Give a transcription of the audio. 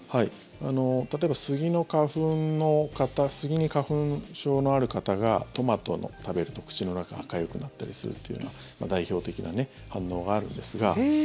例えば、杉の花粉杉に花粉症のある方がトマトを食べると、口の中がかゆくなったりするというのが代表的な反応があるんですが。